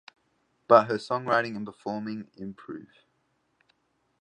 But her songwriting and performing improve.